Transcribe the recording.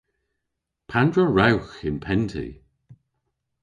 Pandr'a wrewgh y'n pennti?